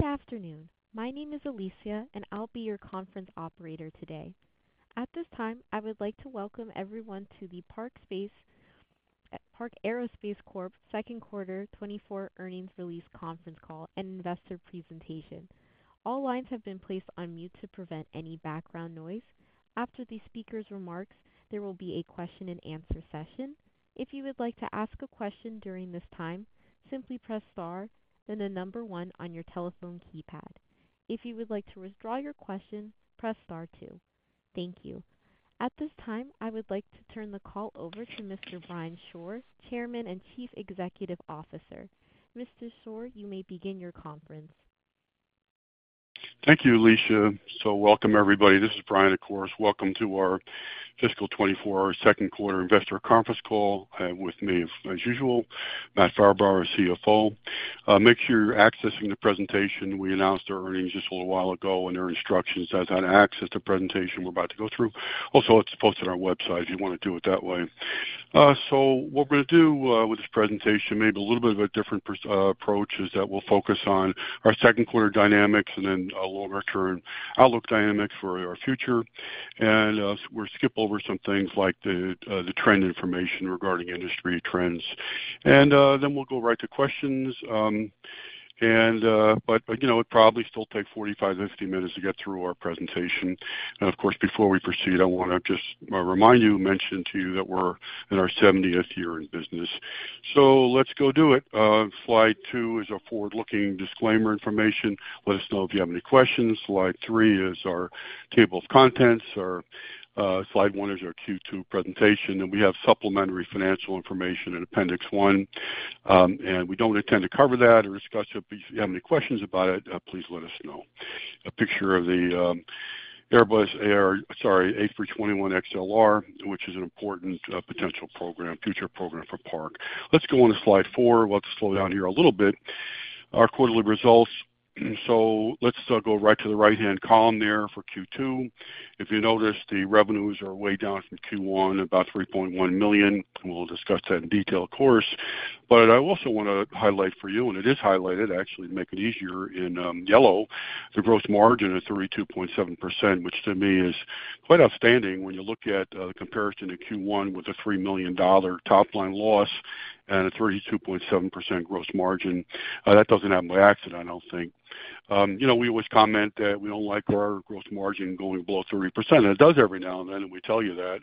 Good afternoon. My name is Alicia, and I'll be your conference operator today. At this time, I would like to welcome everyone to the Park Aerospace Corp. second quarter 2024 earnings release conference call and investor presentation. All lines have been placed on mute to prevent any background noise. After the speaker's remarks, there will be a question-and-answer session. If you would like to ask a question during this time, simply press star, then the number one on your telephone keypad. If you would like to withdraw your question, press star two. Thank you. At this time, I would like to turn the call over to Mr. Brian Shore, Chairman and Chief Executive Officer. Mr. Shore, you may begin your conference. Thank you, Alicia. Welcome, everybody. This is Brian, of course. Welcome to our fiscal 2024 second quarter investor conference call. I have with me, as usual, Matt Farber, our CFO. Make sure you're accessing the presentation. We announced our earnings just a little while ago, and there are instructions as how to access the presentation we're about to go through. Also, it's posted on our website if you want to do it that way. So what we're gonna do, with this presentation, maybe a little bit of a different approach, is that we'll focus on our second quarter dynamics and then a longer-term outlook dynamic for our future. We'll skip over some things like the trend information regarding industry trends, and then we'll go right to questions. You know, it probably still take 45, 50 minutes to get through our presentation. And of course, before we proceed, I wanna just remind you, mention to you that we're in our 70th year in business. So let's go do it. Slide two is a forward-looking disclaimer information. Let us know if you have any questions. Slide three is our table of contents. Our slide one is our Q2 presentation, and we have supplementary financial information in appendix one. We don't intend to cover that or discuss it, but if you have any questions about it, please let us know. A picture of the Airbus A321XLR, sorry, which is an important potential program, future program for Park. Let's go on to slide four. Let's slow down here a little bit. Our quarterly results. So let's go right to the right-hand column there for Q2. If you notice, the revenues are way down from Q1, about $3.1 million, and we'll discuss that in detail, of course. But I also want to highlight for you, and it is highlighted, actually, to make it easier in yellow, the gross margin of 32.7%, which to me is quite outstanding when you look at the comparison to Q1 with a $3 million top-line loss and a 32.7% gross margin. That doesn't happen by accident, I don't think. You know, we always comment that we don't like our gross margin going below 30%, and it does every now and then, and we tell you that.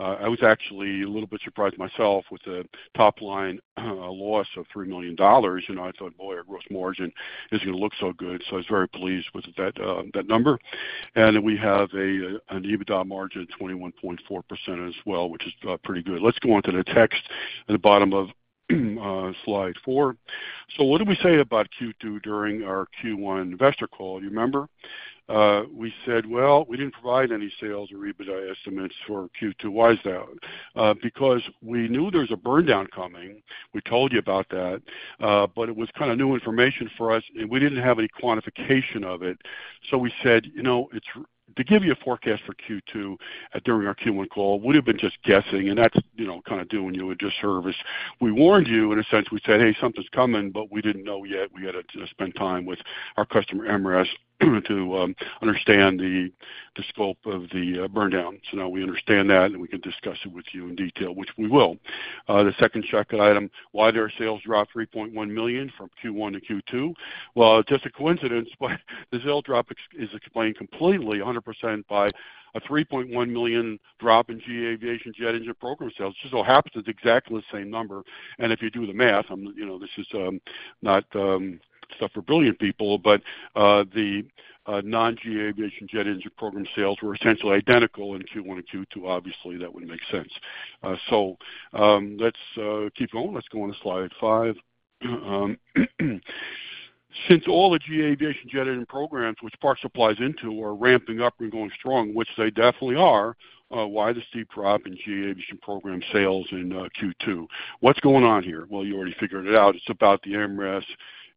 I was actually a little bit surprised myself with a top-line loss of $3 million, and I thought, boy, our gross margin is gonna look so good. I was very pleased with that number. We have an EBITDA margin of 21.4% as well, which is pretty good. Let's go on to the text at the bottom of slide four. So what did we say about Q2 during our Q1 Investor Call? You remember? We said, well, we didn't provide any sales or EBITDA estimates for Q2. Why is that? Because we knew there was a burndown coming. We told you about that, but it was kind of new information for us, and we didn't have any quantification of it. So we said: You know, it's to give you a forecast for Q2 during our Q1 call would have been just guessing, and that's, you know, kind of doing you a disservice. We warned you in a sense, we said, "Hey, something's coming," but we didn't know yet. We had to spend time with our customer, MRAS, to understand the scope of the burndown. So now we understand that, and we can discuss it with you in detail, which we will. The second checkout item, why did our sales drop $3.1 million from Q1 to Q2? Well, just a coincidence, but the sales drop ex is explained completely 100% by a $3.1 million drop in GE Aviation jet engine program sales. Just so happens, it's exactly the same number, and if you do the math, you know, this is not stuff for brilliant people, but the non-GE Aviation jet engine program sales were essentially identical in Q1 and Q2. Obviously, that wouldn't make sense. So, let's keep going. Let's go on to slide five. Since all the GE Aviation jet engine programs, which Park supplies into, are ramping up and going strong, which they definitely are, why the steep drop in GE Aviation program sales in Q2? What's going on here? Well, you already figured it out. It's about the MRAS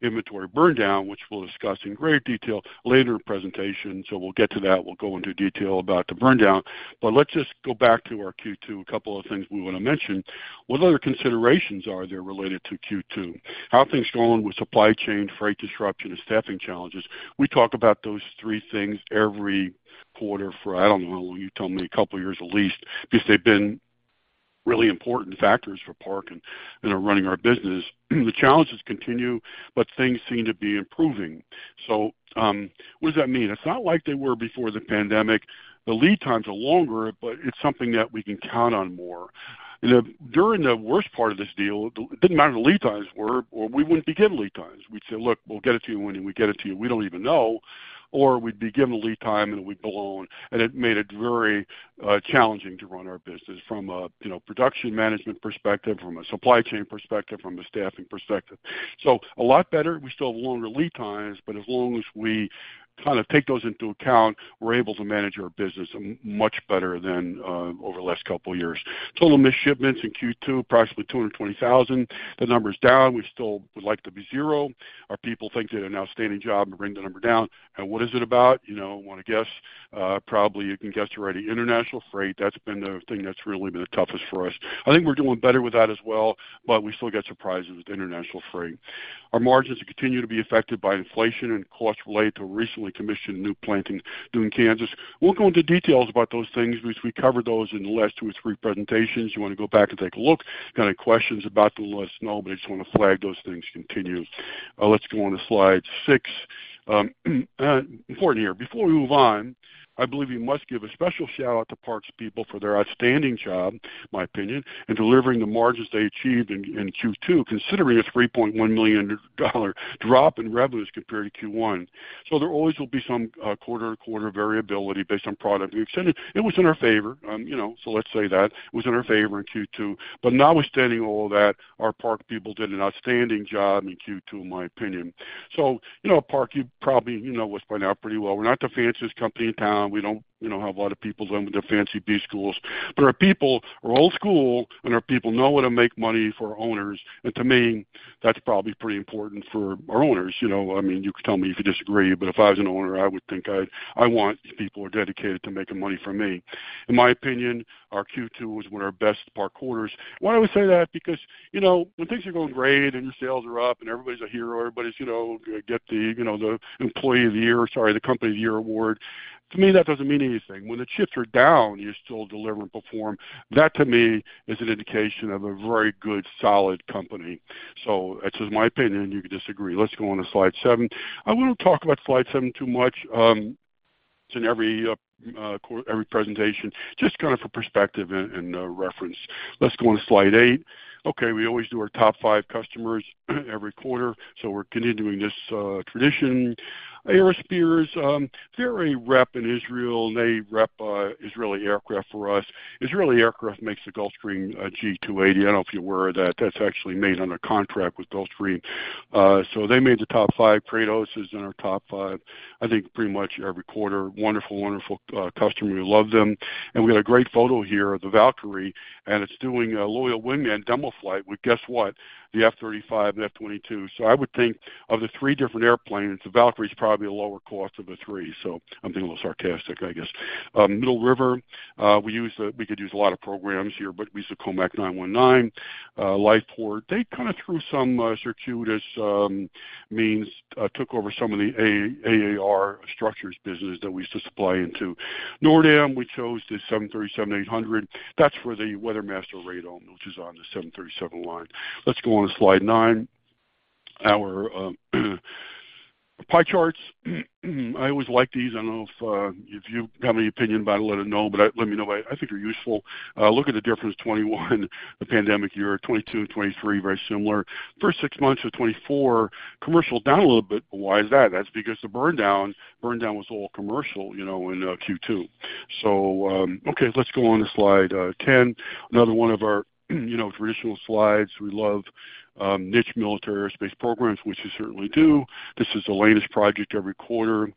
inventory burndown, which we'll discuss in great detail later in presentation. So we'll get to that. We'll go into detail about the burndown, but let's just go back to our Q2. A couple of things we want to mention. What other considerations are there related to Q2? How are things going with supply chain, freight disruption, and staffing challenges? We talk about those three things every quarter for, I don't know, you tell me, a couple of years at least, because they've been really important factors for Park and in running our business. The challenges continue, but things seem to be improving. So, what does that mean? It's not like they were before the pandemic. The lead times are longer, but it's something that we can count on more. During the worst part of this deal, it didn't matter what the lead times were or we wouldn't be given lead times. We'd say: Look, we'll get it to you when we get it to you. We don't even know, or we'd be given a lead time, and it would be blown, and it made it very, challenging to run our business from a, you know, production management perspective, from a supply chain perspective, from a staffing perspective. So a lot better. We still have longer lead times, but as long as we kind of take those into account, we're able to manage our business much better than, over the last couple of years. Total missed shipments in Q2, approximately 220,000. The number's down. We still would like to be zero. Our people think they did an outstanding job to bring the number down. And what is it about? You know, want to guess? Probably you can guess already. International freight, that's been the thing that's really been the toughest for us. I think we're doing better with that as well, but we still get surprises with international freight. Our margins continue to be affected by inflation and costs related to recently commissioned new plant in Kansas. We'll go into details about those things because we covered those in the last two or three presentations. You want to go back and take a look, got any questions about them, let us know, but I just want to flag those things continued. Let's go on to slide six. Important here. Before we move on, I believe we must give a special shout-out to Park's people for their outstanding job, my opinion, in delivering the margins they achieved in Q2, considering a $3.1 million drop in revenues compared to Q1. So there always will be some quarter-to-quarter variability based on product mix, and it was in our favor, you know, so let's say that, it was in our favor in Q2. But notwithstanding all that, our Park people did an outstanding job in Q2, in my opinion. So, you know, Park, you probably, you know us by now pretty well. We're not the fanciest company in town. We don't, you know, have a lot of people doing with their fancy B schools, but our people are old school, and our people know how to make money for owners. And to me, that's probably pretty important for our owners. You know, I mean, you can tell me if you disagree, but if I was an owner, I would think I'd, I want people who are dedicated to making money for me. In my opinion, our Q2 was one of our best Park quarters. Why do I say that? Because, you know, when things are going great and your sales are up and everybody's a hero, everybody's, you know, get the, you know, the employee of the year, sorry, the company of the year award. To me, that doesn't mean anything. When the chips are down, you still deliver and perform. That, to me, is an indication of a very good, solid company. So this is my opinion, you can disagree. Let's go on to slide seven. I wouldn't talk about slide seven too much, it's in every every presentation, just kind of for perspective and reference. Let's go on to slide eight. Okay, we always do our top five customers every quarter, so we're continuing this tradition. Aerosperes, they're a rep in Israel, and they rep Israeli Aircraft for us. Israeli Aircraft makes the Gulfstream G280. I don't know if you're aware of that. That's actually made under contract with Gulfstream. They made the top five. Kratos is in our top five, I think, pretty much every quarter. Wonderful, wonderful customer. We love them. We got a great photo here of the Valkyrie, and it's doing a loyal wingman demo flight with, guess what, the F-35 and F-22. I would think of the three different airplanes, the Valkyrie is probably a lower cost of the three. I'm being a little sarcastic, I guess. Middle River, we could use a lot of programs here, but we use the COMAC 919. LifePort, they kind of, through some circuitous means, took over some of the AAR structures business that we used to supply into. Nordam, we chose the 737-800. That's for the WeatherMaster radome, which is on the 737 line. Let's go on to slide nine. Our pie charts. I always like these. I don't know if you have any opinion about it, let me know, but I—let me know. I think they're useful. Look at the difference, 2021, the pandemic year, 2022, 2023, very similar. First six months of 2024, commercial down a little bit. Why is that? That's because the burndown, burndown was all commercial, you know, in Q2. So, okay, let's go on to slide 10. Another one of our, you know, traditional slides. We love niche military airspace programs, which we certainly do. This is Elena's project every quarter.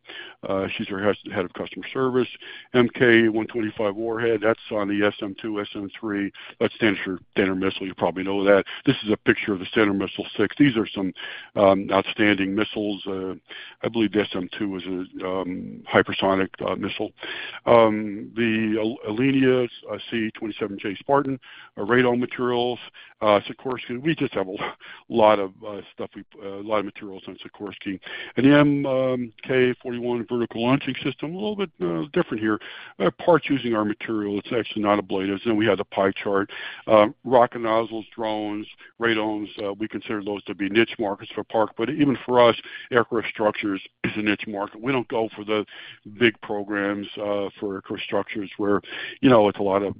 She's our head of customer service. MK 125 warhead, that's on the SM-2, SM-3, that stands for Standard Missile, you probably know that. This is a picture of the Standard Missile 6. These are some outstanding missiles. I believe the SM-2 is a hypersonic missile. The Alenia C-27J Spartan, radome materials, Sikorsky. We just have a lot of stuff, a lot of materials on Sikorsky. And the MK 41 vertical launching system, a little bit different here. Parts using our material, it's actually not ablative. So we have the pie chart. Rocket nozzles, drones, radomes, we consider those to be niche markets for Park, but even for us, aircraft structures is a niche market. We don't go for the big programs, for aircraft structures where, you know, it's a lot of,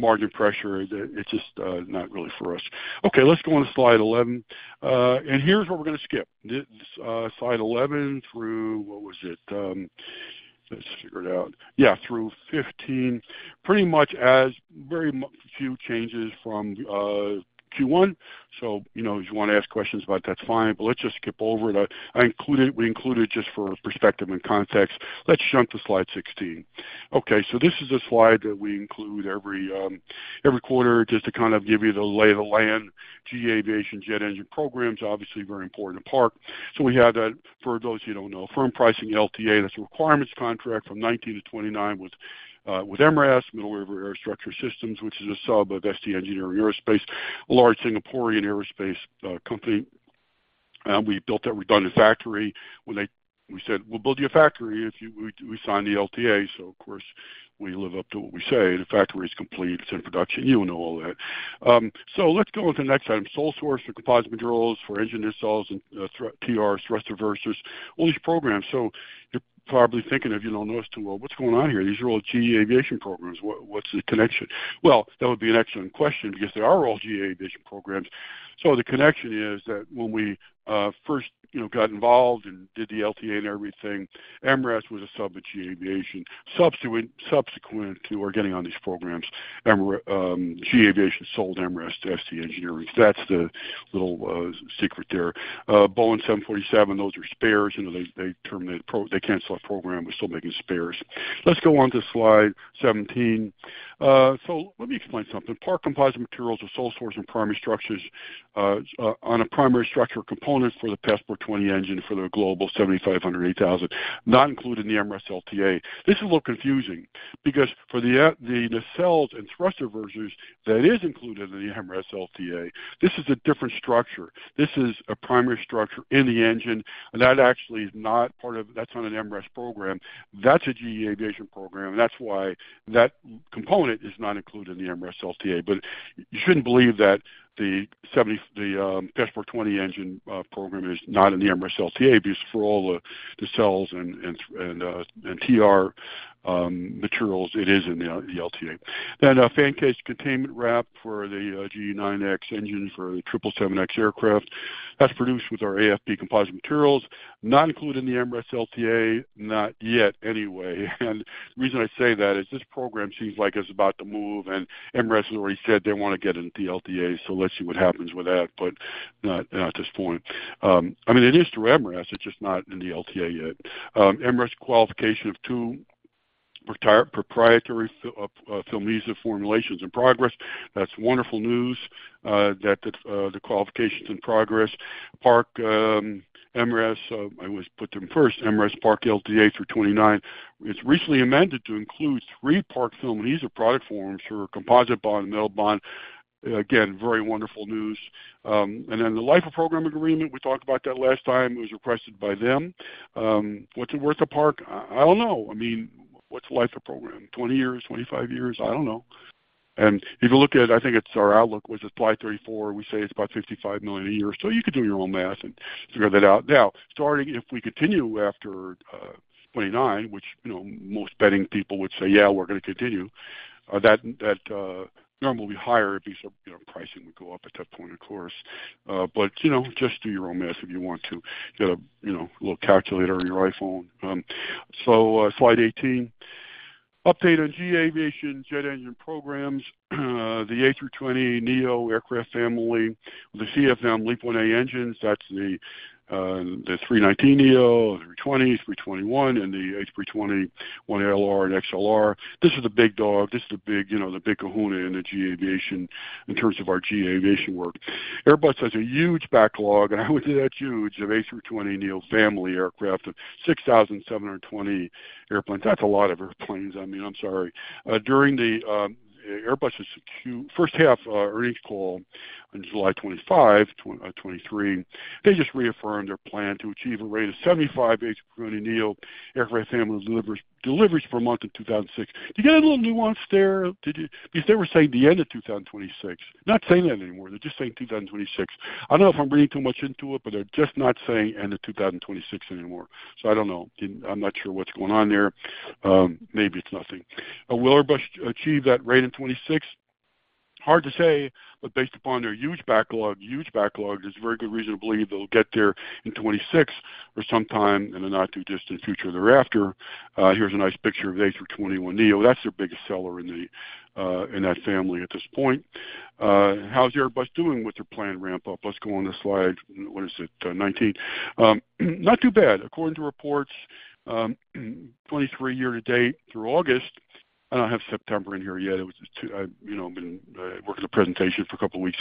margin pressure. It's just, not really for us. Okay, let's go on to slide 11. Here's what we're going to skip. Slide 11 through, what was it? Let's figure it out. Yeah, through 15. Pretty much few changes from, Q1. So, you know, if you want to ask questions about it, that's fine, but let's just skip over it. I, I included, we included it just for perspective and context. Let's jump to slide 16. Okay, this is a slide that we include every quarter, just to kind of give you the lay of the land. GE Aviation jet engine programs, obviously very important to Park. We have that. For those who don't know, firm pricing LTA, that's a requirements contract from 2019 to 2029 with MRAS, Middle River Aerostructure Systems, which is a sub of ST Engineering Aerospace, a large Singaporean aerospace company. We built that redundant factory. When they—we said, "We'll build you a factory if you—we, we sign the LTA." Of course, we live up to what we say. The factory is complete. It's in production. You know all that. Let's go on to the next item. Sole source for composite materials, for engine installs and TR thrust reversers, all these programs. So you're probably thinking, if you don't know us too well, what's going on here? These are all GE Aviation programs. What, what's the connection? Well, that would be an excellent question because they are all GE Aviation programs. So the connection is that when we first, you know, got involved and did the LTA and everything, MRAS was a sub of GE Aviation. Subsequently, we're getting on these programs. MRAS, GE Aviation sold MRAS to ST Engineering. So that's the little secret there. Boeing 747, those are spares. You know, they terminated, they canceled that program. We're still making spares. Let's go on to slide 17. So let me explain something. Park Composite Materials are sole source and primary structures, on a primary structural component for the Passport 20 engine for the Global 7500, Global 8000, not included in the MRAS LTA. This is a little confusing... because for the nacelles and thrust reversers, that is included in the MRAS LTA, this is a different structure. This is a primary structure in the engine, and that actually is not part of, that's not an MRAS program. That's a GE Aviation program, and that's why that component is not included in the MRAS LTA. You shouldn't believe that the 70, the F420 engine program is not in the MRAS LTA, because for all the nacelles and TR materials, it is in the LTA. Fan case containment wrap for the GE9X engine for the 777X aircraft, that's produced with our AFP composite materials, not included in the MRAS LTA. Not yet, anyway. The reason I say that is this program seems like it's about to move, and MRAS has already said they want to get into the LTA, so let's see what happens with that, but not, not at this point. I mean, it is through MRAS, it's just not in the LTA yet. MRAS qualification of two proprietary film adhesive formulations in progress. That's wonderful news, that the qualification's in progress. Park, MRAS, I always put them first. MRAS Park LTA through 2029. It's recently amended to include three Park film adhesive product forms for composite bond, metal bond. Again, very wonderful news. And then the life of program agreement, we talked about that last time. It was requested by them. What's it worth to Park? I don't know. I mean, what's the life of program? 20 years, 25 years? I don't know. And if you look at, I think it's our outlook, which is slide 34, we say it's about $55 million a year, so you could do your own math and figure that out. Now, starting. If we continue after 2029, which, you know, most betting people would say, "Yeah, we're gonna continue," that number will be higher because, you know, pricing would go up at that point, of course. But, you know, just do your own math if you want to. Get a little calculator on your iPhone. So, slide 18. Update on GE Aviation jet engine programs, the A320neo aircraft family, the CFM LEAP-1A engines, that's the three nineteen neo, three twenty, three twenty-one, and the A321LR and XLR. This is the big dog. This is the big, you know, the big kahuna in the GE Aviation, in terms of our GE Aviation work. Airbus has a huge backlog, and I would say that's huge, of A320neo family aircraft of 6,720 airplanes. That's a lot of airplanes. I mean, I'm sorry. During the Airbus' Q1 first half earnings call on July 25, 2023, they just reaffirmed their plan to achieve a rate of 75 A320neo aircraft family deliveries per month in 2026. Do you get a little nuance there? Did you? Because they were saying the end of 2026. Not saying that anymore. They're just saying 2026. I don't know if I'm reading too much into it, but they're just not saying end of 2026 anymore. So I don't know. I'm not sure what's going on there. Maybe it's nothing. Will Airbus achieve that rate in 2026? Hard to say, but based upon their huge backlog, huge backlog, there's very good reason to believe they'll get there in 2026 or sometime in the not-too-distant future thereafter. Here's a nice picture of the A321neo. That's their biggest seller in that family at this point. How's Airbus doing with their planned ramp-up? Let's go on to slide, what is it? 19. Not too bad. According to reports, 2023 year to date through August, I don't have September in here yet. It was just two... I, you know, been working on the presentation for a couple of weeks.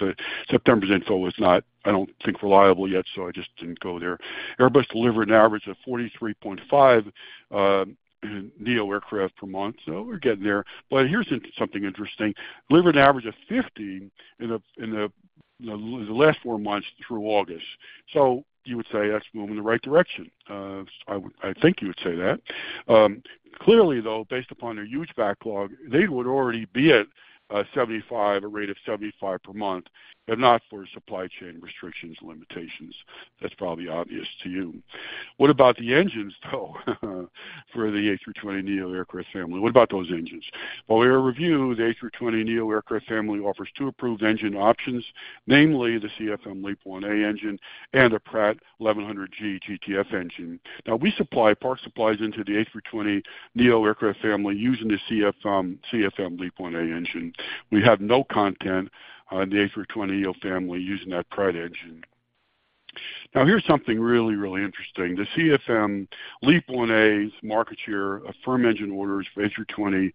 September's info was not, I don't think, reliable yet, so I just didn't go there. Airbus delivered an average of 43.5 neo aircraft per month, so we're getting there. Here's something interesting. Delivered an average of 15 in the last four months through August. You would say that's moving in the right direction. I would, I think you would say that. Clearly, though, based upon their huge backlog, they would already be at 75, a rate of 75 per month, if not for supply chain restrictions and limitations. That's probably obvious to you. What about the engines, though, for the A320neo aircraft family? What about those engines? Well, we review the A320neo aircraft family offers two approved engine options, namely the CFM LEAP-1A engine and the Pratt 1100G GTF engine. Now, we supply, Park supplies into the A320neo aircraft family using the CFM, CFM LEAP-1A engine. We have no content on the A320neo family using that Pratt engine. Now, here's something really, really interesting. The CFM LEAP-1A's market share of firm engine orders for A320neo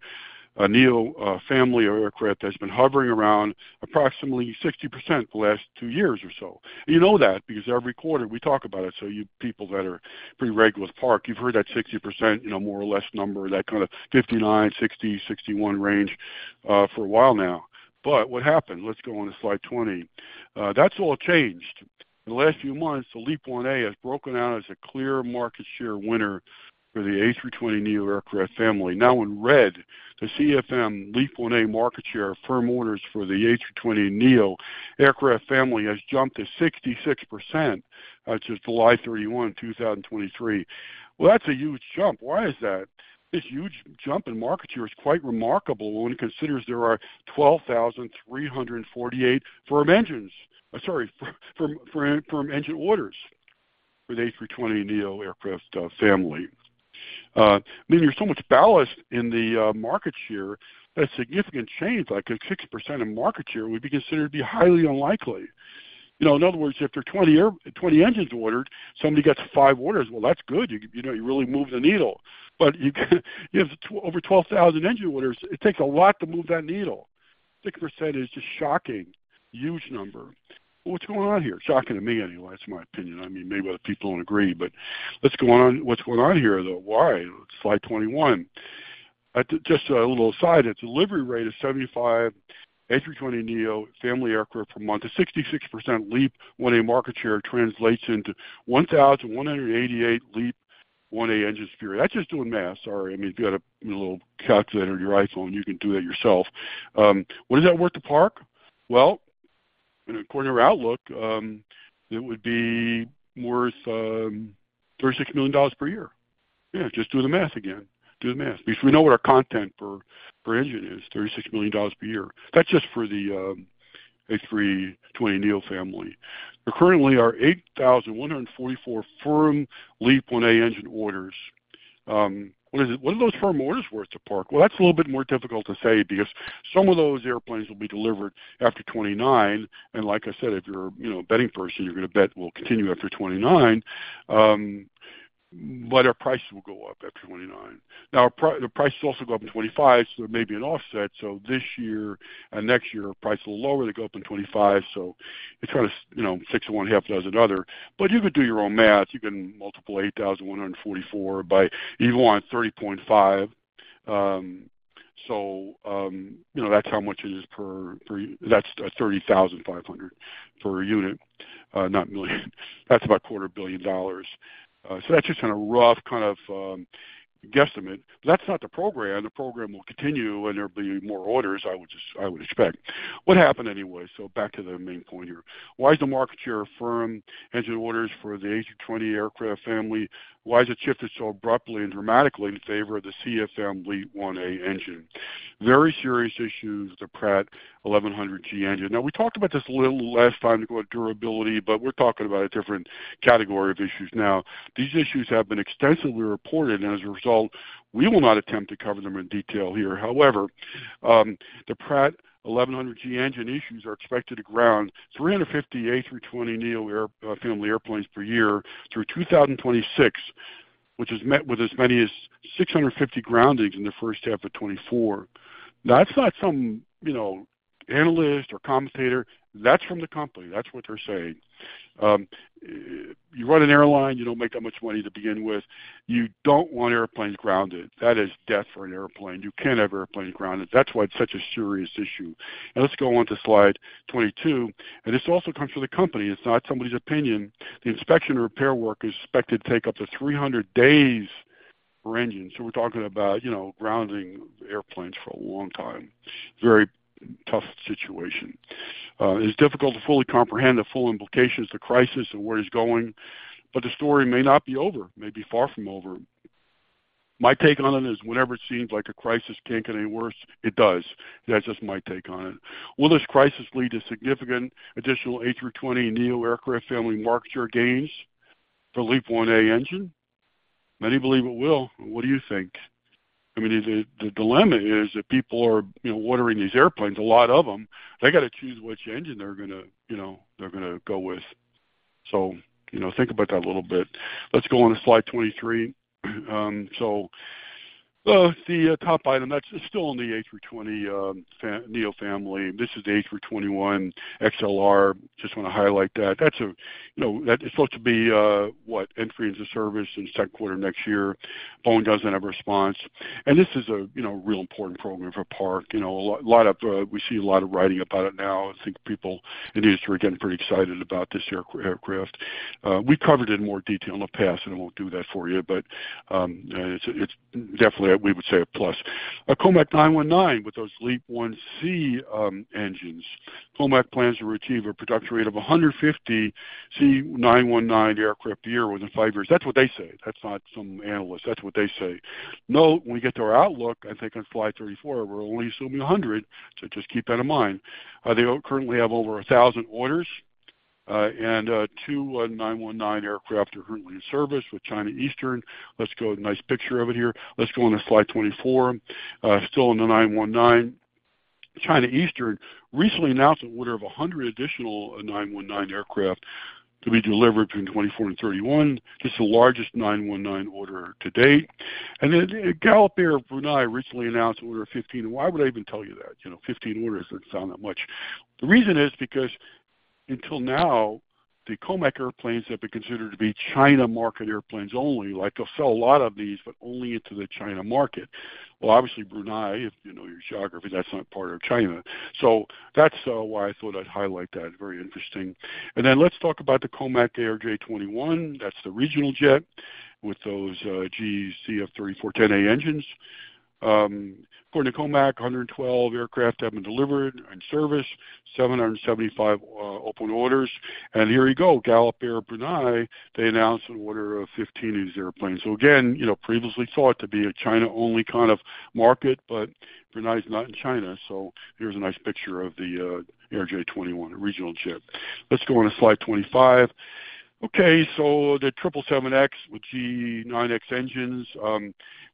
family aircraft has been hovering around approximately 60% for the last two years or so. You know that because every quarter we talk about it, so you people that are pretty regular with Park, you've heard that 60%, you know, more or less number, that kind of 59, 60, 61 range for a while now. But what happened? Let's go on to slide 20. That's all changed. In the last few months, the LEAP-1A has broken out as a clear market share winner for the A320neo aircraft family. Now in red, the CFM LEAP-1A market share of firm orders for the A320neo aircraft family has jumped to 66%. That's as of July 31, 2023. Well, that's a huge jump. Why is that? This huge jump in market share is quite remarkable when it considers there are 12,348 firm engine orders for the A320neo aircraft family. I mean, there's so much ballast in the market share that a significant change, like a 60% in market share, would be considered to be highly unlikely. You know, in other words, if there are 20 engines ordered, somebody gets five orders, well, that's good. You know, you really move the needle. But you, you have over 12,000 engine orders, it takes a lot to move that needle.... 6% is just shocking! Huge number. What's going on here? Shocking to me, anyway. That's my opinion. I mean, maybe other people don't agree, but let's go on. What's going on here, though? Why? Slide 21. Just a little aside, its delivery rate is 75 A320neo family aircraft per month. A 66% leap when a market share translates into 1,188 LEAP-1A engines period. That's just doing math. Sorry. I mean, if you had a little calculator on your iPhone, you can do that yourself. What is that worth to PARC? Well, according to our outlook, it would be worth, $36 million per year. Yeah, just do the math again. Do the math. Because we know what our content per, per engine is, $36 million per year. That's just for the A320neo family. There currently are 8,144 firm LEAP-1A engine orders. What are those firm orders worth to PARC? Well, that's a little bit more difficult to say because some of those airplanes will be delivered after 2029. And like I said, if you're, you know, a betting person, you're going to bet we'll continue after 2029, but our prices will go up after 2029. Now, our pri-- the prices will also go up in 2025, so there may be an offset. So this year and next year, price will lower. They go up in 2025, so it's kind of, you know, six and one half dozen other. But you could do your own math. You can multiply 8,144 by, if you want, 30.5. You know, that's how much it is per, per... That's $30,500 per unit, not million. That's about a quarter billion dollars. That's just in a rough kind of guesstimate. That's not the program. The program will continue, and there'll be more orders, I would just-- I would expect. What happened anyway? Back to the main point here. Why is the market share of firm engine orders for the A320 aircraft family, why has it shifted so abruptly and dramatically in favor of the CFM LEAP-1A engine? Very serious issues, the Pratt 1100G engine. Now, we talked about this a little last time, about durability, but we're talking about a different category of issues now. These issues have been extensively reported, and as a result, we will not attempt to cover them in detail here. However, the Pratt 1100G engine issues are expected to ground 350 A320neo family airplanes per year through 2026, which is met with as many as 650 groundings in the first half of 2024. That's not some, you know, analyst or commentator. That's from the company. That's what they're saying. You run an airline, you don't make that much money to begin with. You don't want airplanes grounded. That is death for an airplane. You can't have airplanes grounded. That's why it's such a serious issue. Now let's go on to slide 22. This also comes from the company. It's not somebody's opinion. The inspection and repair work is expected to take up to 300 days per engine. So we're talking about, you know, grounding airplanes for a long time. Very tough situation. It's difficult to fully comprehend the full implications of the crisis and where it's going, but the story may not be over. Maybe far from over. My take on it is whenever it seems like a crisis can't get any worse, it does. That's just my take on it. Will this crisis lead to significant additional A320neo aircraft family market share gains for LEAP-1A engine? Many believe it will. What do you think? I mean, the dilemma is that people are, you know, ordering these airplanes, a lot of them, they got to choose which engine they're gonna, you know, they're gonna go with. So, you know, think about that a little bit. Let's go on to slide 23. Well, the top item, that's still in the A320 neo family. This is the A321XLR. Just want to highlight that. That's a, you know, that is supposed to be, what, entry into service in the second quarter next year. Boeing doesn't have a response. This is a, you know, real important program for Park. You know, a lot of, we see a lot of writing about it now. I think people in the industry are getting pretty excited about this aircraft. We covered it in more detail in the past, and I won't do that for you, but it's definitely, we would say, a plus. A COMAC 919 with those LEAP-1C engines. COMAC plans to achieve a production rate of 150 C919 aircraft a year within five years. That's what they say. That's not some analyst. That's what they say. Note, when we get to our outlook, I think on slide 34, we're only assuming 100, so just keep that in mind. They currently have over 1,000 orders, and two C919 aircraft are currently in service with China Eastern Airlines. Let's go... Nice picture of it here. Let's go on to slide 24. Still on the C919. China Eastern Airlines recently announced an order of 100 additional C919 aircraft to be delivered between 2024 and 2031. This is the largest C919 order to date. And then Royal Brunei Airlines recently announced an order of 15. Why would I even tell you that? You know, 15 orders doesn't sound that much. The reason is because, until now, the COMAC airplanes have been considered to be China market airplanes only. Like, they'll sell a lot of these, but only into the China market. Well, obviously, Brunei, if you know your geography, that's not part of China. So that's why I thought I'd highlight that. Very interesting. And then let's talk about the COMAC ARJ21. That's the regional jet with those GE CF34-10A engines. According to COMAC, 112 aircraft have been delivered and serviced, 775 open orders. And here we go, Royal Brunei Airlines, they announced an order of 15 of these airplanes. So again, you know, previously thought to be a China-only kind of market, but Brunei is not in China, so here's a nice picture of the ARJ21, a regional jet. Let's go on to slide 25. Okay, so the 777X with GE9X engines.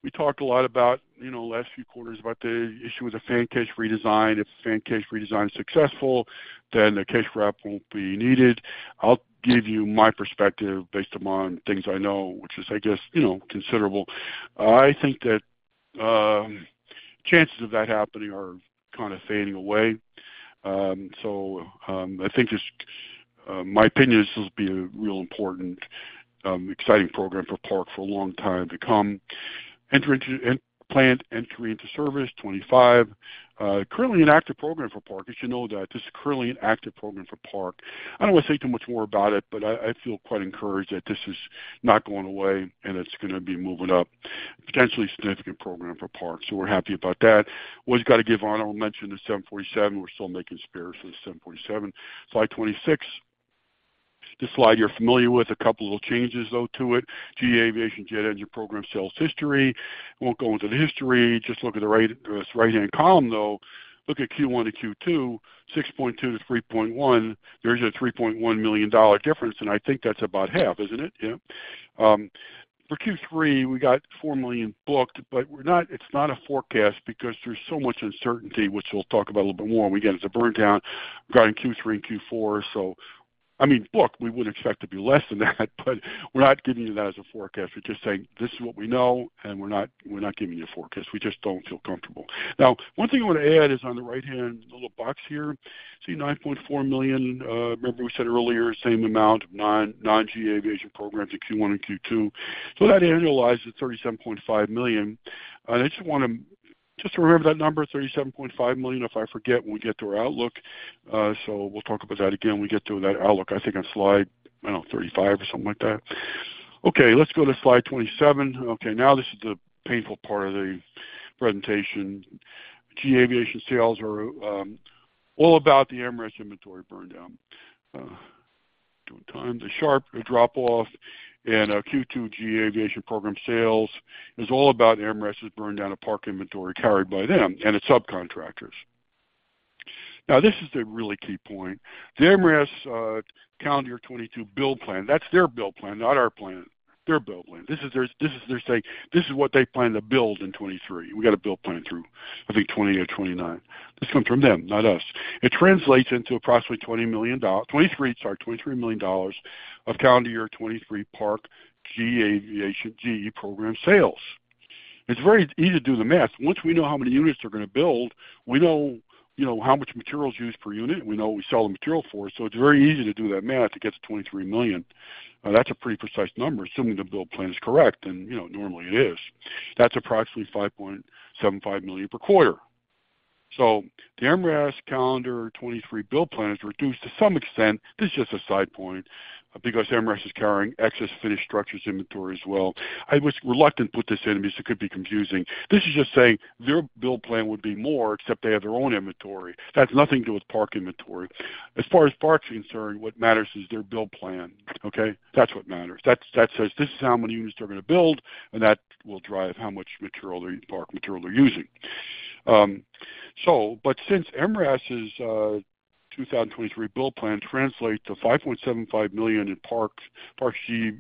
We talked a lot about, you know, last few quarters, about the issue with the fan case redesign. If the fan case redesign is successful, then the case wrap won't be needed. I'll give you my perspective based upon things I know, which is, I guess, you know, considerable. I think that chances of that happening are kind of fading away. So, my opinion, this will be a real important exciting program for Park for a long time to come. Entry into service, 25. Currently an active program for Park. You should know that this is currently an active program for Park. I don't want to say too much more about it, but I, I feel quite encouraged that this is not going away, and it's going to be moving up. Potentially significant program for Park, so we're happy about that. Always got to give honorable mention to 747. We're still making spares for the 747. Slide 26. This slide you're familiar with. A couple of little changes, though, to it. GE Aviation jet engine program sales history. Won't go into the history. Just look at the right, this right-hand column, though. Look at Q1 to Q2, 6.2-3.1. There's a $3.1 million difference, and I think that's about half, isn't it? Yeah. For Q3, we got $4 million booked, but we're not—it's not a forecast because there's so much uncertainty, which we'll talk about a little bit more, and we get as a burndown regarding Q3 and Q4. So, I mean, look, we would expect to be less than that, but we're not giving you that as a forecast. We're just saying this is what we know, and we're not, we're not giving you a forecast. We just don't feel comfortable. Now, one thing I want to add is on the right-hand, the little box here, see $9.4 million. Remember we said earlier, same amount of non-GE Aviation programs in Q1 and Q2. So that annualized at $37.5 million. I want to remember that number, $37.5 million, if I forget, when we get to our outlook. So we'll talk about that again when we get to that outlook, I think, on slide, I don't know, 35 or something like that. Okay, let's go to slide 27. Okay, now this is the painful part of the presentation. GE Aviation sales are all about the MRAS inventory burndown. During that time, the sharp drop off, and Q2 GE Aviation program sales is all about MRAS's burndown of Park inventory carried by them and its subcontractors. Now, this is the really key point. The MRAS calendar year 2022 build plan, that's their build plan, not our plan, their build plan. This is their, this is their saying, this is what they plan to build in 2023. We got a build plan through, I think, 2020 to 2029. This comes from them, not us. It translates into approximately $20 million,23, sorry, $23 million of calendar year 2023 Park GE Aviation, GE program sales. It's very easy to do the math. Once we know how many units they're going to build, we know, you know, how much material is used per unit, and we know what we sell the material for. So it's very easy to do that math to get to $23 million. That's a pretty precise number, assuming the build plan is correct, and, you know, normally it is. That's approximately $5.75 million per quarter. So the MRAS calendar 2023 build plan is reduced to some extent. This is just a side point, because MRAS is carrying excess finished structures inventory as well. I was reluctant to put this in because it could be confusing. This is just saying their build plan would be more, except they have their own inventory. That's nothing to do with Park inventory. As far as Park's concerned, what matters is their build plan, okay? That's what matters. That says this is how many units they're going to build, and that will drive how much material, Park material, they're using. Since MRAS's 2023 build plan translates to $5.75 million in Park GE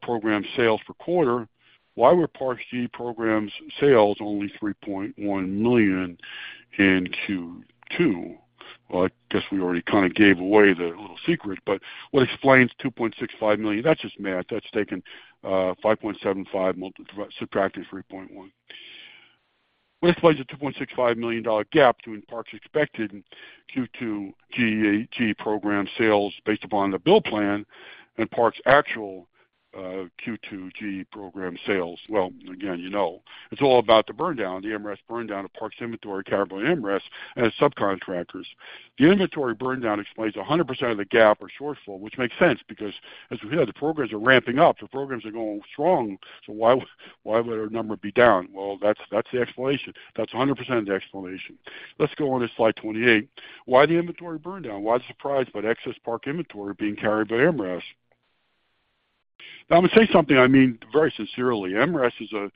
program sales per quarter, why were Park GE program sales only $3.1 million in Q2? Well, I guess we already kind of gave away the little secret, but what explains $2.65 million? That's just math. That's taking $5.75 million, subtracting $3.1 million. What explains the $2.65 million gap between Park's expected Q2 GE program sales based upon the build plan and Park's actual Q2 GE program sales? Well, again, you know, it's all about the burndown, the MRAS burndown of Park's inventory carried by MRAS and its subcontractors. The inventory burndown explains 100% of the gap or shortfall, which makes sense, because as we hear, the programs are ramping up, the programs are going strong. So why would our number be down? Well, that's the explanation. That's 100% of the explanation. Let's go on to slide 28. Why the inventory burndown? Why the surprise about excess Park inventory being carried by MRAS? Now, I'm going to say something I mean very sincerely. MRAS is a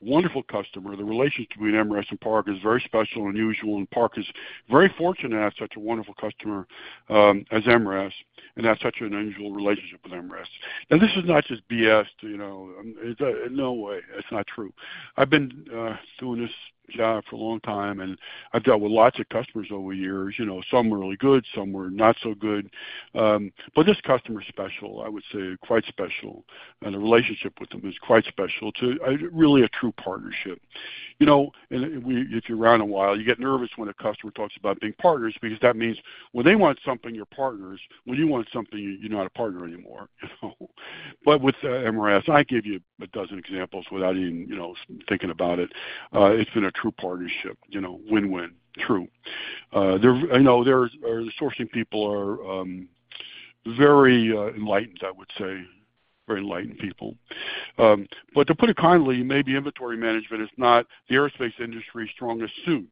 wonderful customer. The relationship between MRAS and Park is very special and unusual, and Park is very fortunate to have such a wonderful customer, as MRAS, and have such an unusual relationship with MRAS. And this is not just BS, you know, no way. It's not true. I've been doing this job for a long time, and I've dealt with lots of customers over the years. You know, some were really good, some were not so good, but this customer is special, I would say, quite special, and the relationship with them is quite special, to really a true partnership. You know, and, and we -- if you're around a while, you get nervous when a customer talks about being partners, because that means when they want something, you're partners. When you want something, you're not a partner anymore, you know? But with MRAS, I give you a dozen examples without even, you know, thinking about it. It's been a true partnership, you know, win-win, true. They're, I know they're, the sourcing people are, very, enlightened, I would say, very enlightened people. But to put it kindly, maybe inventory management is not the aerospace industry's strongest suit.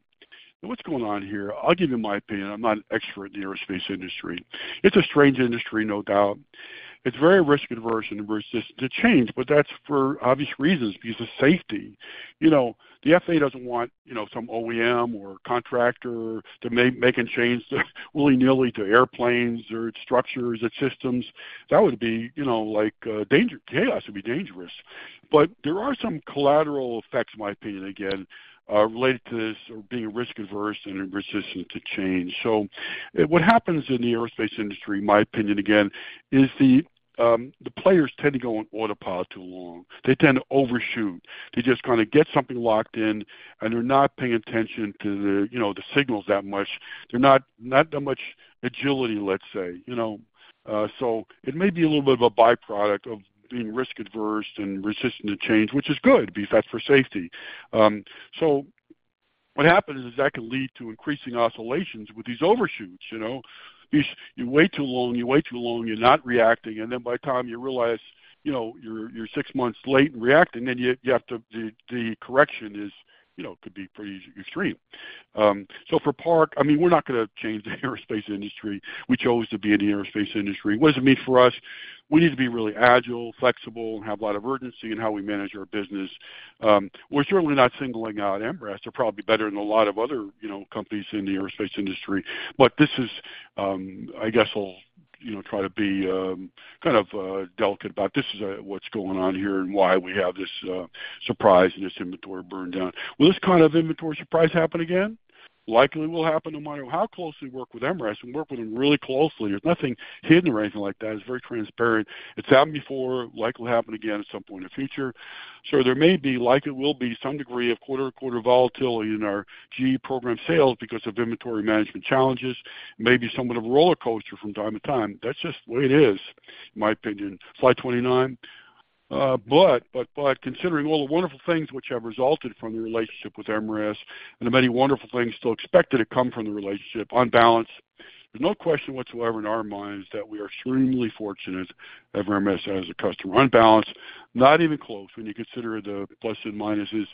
What's going on here? I'll give you my opinion. I'm not an expert in the aerospace industry. It's a strange industry, no doubt. It's very risk-averse and averse to change, but that's for obvious reasons, because of safety. You know, the FAA doesn't want, you know, some OEM or contractor to making changes willy-nilly to airplanes or structures and systems. That would be, you know, like, danger. Chaos, it'd be dangerous. But there are some collateral effects, in my opinion, again, related to this or being risk-averse and resistant to change. So what happens in the aerospace industry, my opinion again, is the players tend to go on autopilot too long. They tend to overshoot. They just kind of get something locked in, and they're not paying attention to the, you know, the signals that much. They're not that much agility, let's say, you know, so it may be a little bit of a byproduct of being risk-averse and resistant to change, which is good, because that's for safety. What happens is that can lead to increasing oscillations with these overshoots, you know? You wait too long, you wait too long, you're not reacting, and then by the time you realize, you know, you're six months late in reacting, then you have to—the correction is, you know, could be pretty extreme. For Park, I mean, we're not gonna change the aerospace industry. We chose to be in the aerospace industry. What does it mean for us? We need to be really agile, flexible, and have a lot of urgency in how we manage our business. We're certainly not singling out MRAS. They're probably better than a lot of other, you know, companies in the aerospace industry. I guess I'll, you know, try to be, kind of, delicate about this is what's going on here and why we have this surprise and this inventory burn down. Will this kind of inventory surprise happen again? Likely will happen, no matter how closely we work with Embraer. We work with them really closely. There's nothing hidden or anything like that. It's very transparent. It's happened before. Likely happen again at some point in the future. So there may be, likely will be, some degree of quarter-to-quarter volatility in our GE program sales because of inventory management challenges, maybe somewhat of a roller coaster from time to time. That's just the way it is, in my opinion. Slide 29. But considering all the wonderful things which have resulted from the relationship with Embraer and the many wonderful things still expected to come from the relationship, on balance, there's no question whatsoever in our minds that we are extremely fortunate to have Embraer as a customer. On balance, not even close when you consider the plus and minuses,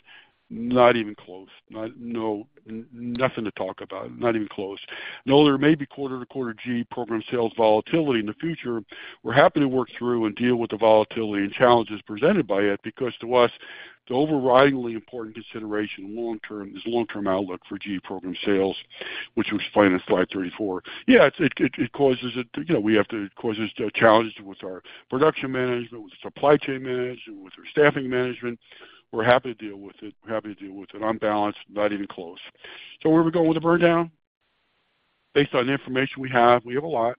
not even close. Not, no, nothing to talk about. Not even close. Though there may be quarter-to-quarter GE program sales volatility in the future, we're happy to work through and deal with the volatility and challenges presented by it, because to us, the overridingly important consideration long term is long-term outlook for GE program sales, which we explain in slide 34. Yeah, it causes it. You know, causes challenges with our production management, with supply chain management, with our staffing management. We're happy to deal with it. We're happy to deal with it. On balance, not even close. So where are we going with the burndown? Based on the information we have, we have a lot.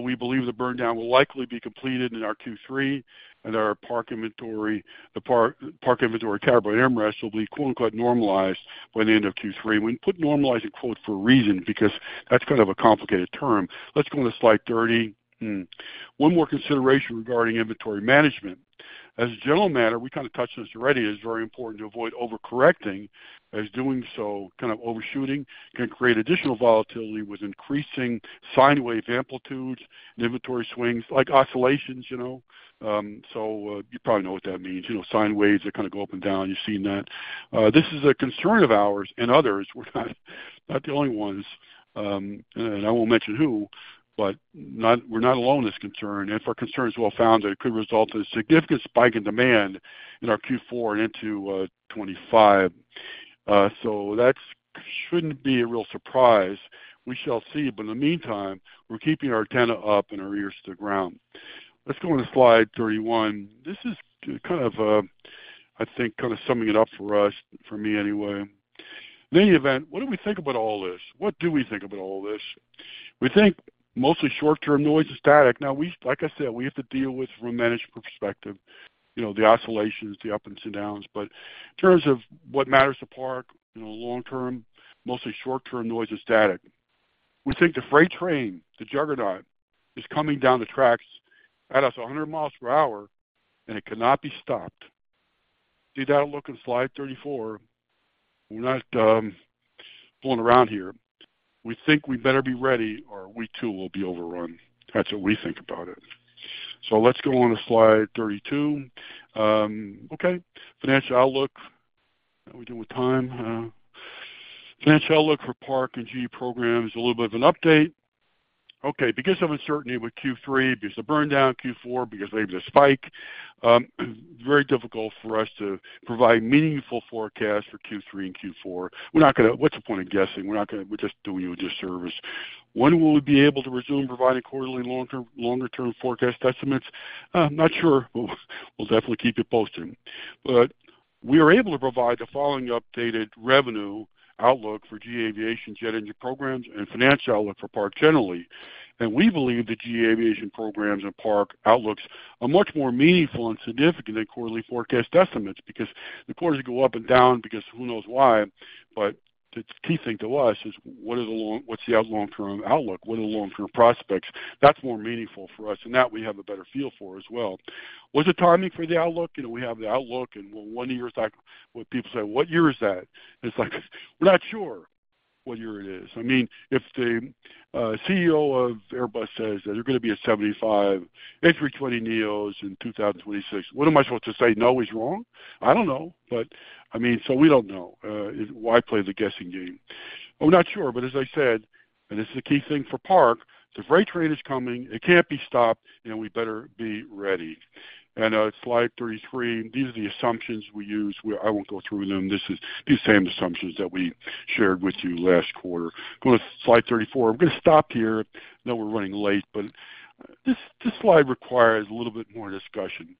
We believe the burndown will likely be completed in our Q3 and our PARK inventory, the PARK, PARK inventory category, Embraer, will be "normalized" by the end of Q3. We put normalize in quotes for a reason, because that's kind of a complicated term. Let's go on to slide 30. One more consideration regarding inventory management. As a general matter, we kind of touched on this already, it is very important to avoid overcorrecting, as doing so, kind of overshooting, can create additional volatility with increasing sine wave amplitudes and inventory swings, like oscillations, you know. So, you probably know what that means. You know, sine waves, they kind of go up and down. You've seen that. This is a concern of ours and others. We're not, not the only ones, and I won't mention who, but not, we're not alone in this concern. If our concern is well-found, it could result in a significant spike in demand in our Q4 and into 2025. So that's shouldn't be a real surprise. We shall see, but in the meantime, we're keeping our antenna up and our ears to the ground. Let's go on to slide 31. This is kind of, I think, kind of summing it up for us, for me anyway. In any event, what do we think about all this? What do we think about all this? We think mostly short-term noise and static. Now, we, like I said, we have to deal with, from a management perspective, you know, the oscillations, the ups and downs, but in terms of what matters to PARK in the long term, mostly short term, noise and static. We think the freight train, the juggernaut, is coming down the tracks at us 100 mph, and it cannot be stopped. See that outlook on slide 34. We're not fooling around here. We think we better be ready, or we, too, will be overrun. That's what we think about it. So let's go on to slide 32. Financial outlook. How are we doing with time? Financial outlook for PARK and GE Programs, a little bit of an update. Okay, because of uncertainty with Q3, because of burndown Q4, because maybe there's a spike, very difficult for us to provide meaningful forecast for Q3 and Q4. We're not gonna... What's the point of guessing? We're not gonna, we're just doing you a disservice. When will we be able to resume providing quarterly longer, longer-term forecast estimates? I'm not sure, but we'll definitely keep you posted. We are able to provide the following updated revenue outlook for GE Aviation jet engine programs and financial outlook for Park generally. We believe the GE Aviation programs and Park outlooks are much more meaningful and significant than quarterly forecast estimates, because the quarters go up and down, because who knows why, but the key thing to us is what are the long-- what's the long-term outlook? What are the long-term prospects? That's more meaningful for us, and that we have a better feel for as well. What's the timing for the outlook? You know, we have the outlook, and well, one year is like, well, people say, "What year is that?" It's like, we're not sure what year it is. I mean, if the CEO of Airbus says that they're gonna be at 75 A320neos in 2026, what am I supposed to say, "No, he's wrong?" I don't know, but I mean, so we don't know. Why play the guessing game? We're not sure, but as I said, and this is the key thing for PARK, the freight train is coming, it can't be stopped, and we better be ready. And, slide 33, these are the assumptions we use. We—I won't go through them. This is the same assumptions that we shared with you last quarter. Go to slide 34. I'm gonna stop here. I know we're running late, but this, this slide requires a little bit more discussion.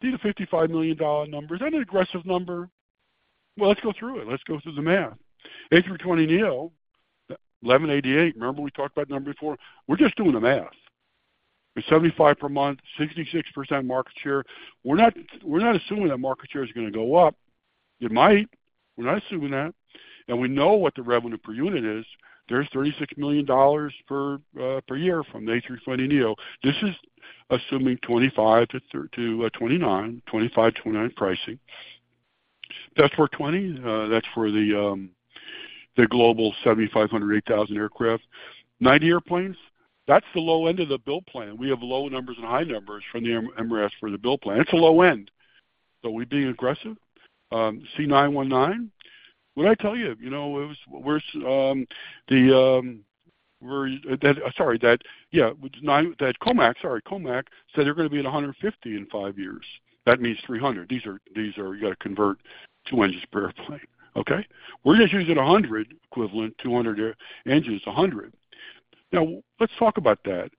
These are $55 million numbers. Is that an aggressive number? Well, let's go through it. Let's go through the math. A320neo, 1,188. Remember we talked about number before? We're just doing the math. It's 75 per month, 66% market share. We're not, we're not assuming that market share is gonna go up. It might. We're not assuming that, and we know what the revenue per unit is. There's $36 million per year from the A320neo. This is assuming 25-29 pricing. Passport 20, that's for the, the Global 7500, 8000 aircraft. 90 airplanes, that's the low end of the build plan. We have low numbers and high numbers from the MRAS for the build plan. It's a low end. So are we being aggressive? C919, what did I tell you? You know, that COMAC said they're going to be at 150 in five years. That means 300. These are, you got to convert two engines per airplane, okay? We're just using 100 equivalent, 200 engines, 100. Now let's talk about that.